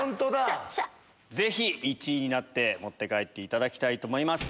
ぜひ１位になって持って帰っていただきたいです。